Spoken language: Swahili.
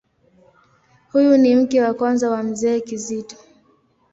Huyu ni mke wa kwanza wa Mzee Kizito.